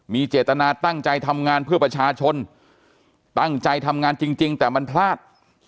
มีเจตนาตั้งใจทำงานเพื่อประชาชนตั้งใจทำงานจริงแต่มันพลาด